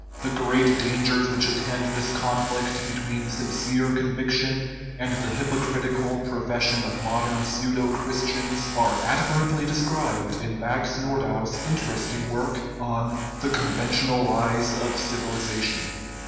The great dangers which attend this conflict between sin cere conviction and the hypocritical profession of mod ern pseudo Christians are admirably described in Max Nordau's interesting work on The Conventional Lies of Civilization.